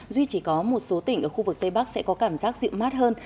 duy chỉ có một số tỉnh ở khu vực tây bắc sẽ có cảm giác dịu mát hơn